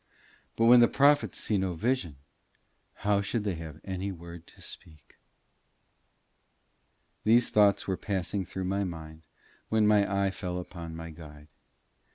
But when the prophets see no vision, how should they have any word to speak? These thoughts were passing through my mind when my eye fell upon my guide.